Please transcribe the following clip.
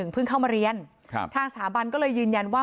เพิ่งเข้ามาเรียนทางสถาบันก็เลยยืนยันว่า